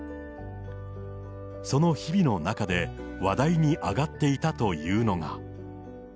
その日々の中で、話題に上がっていたというのが。